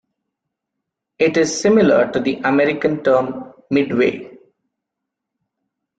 It is similar to the American term 'midway'.